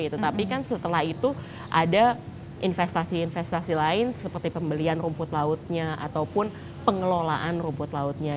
tetapi kan setelah itu ada investasi investasi lain seperti pembelian rumput lautnya ataupun pengelolaan rumput lautnya